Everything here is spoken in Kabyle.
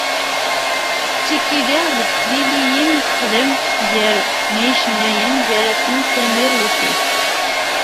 Tettekki diɣ deg teliliyin i texdem gar n yicennayen, gar-asen Samir Lusif.